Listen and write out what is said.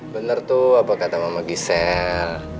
bener tuh apa kata mama gisel